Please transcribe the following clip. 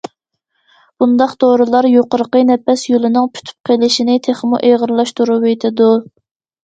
بۇنداق دورىلار يۇقىرىقى نەپەس يولىنىڭ پۈتۈپ قېلىشىنى تېخىمۇ ئېغىرلاشتۇرۇۋېتىدۇ.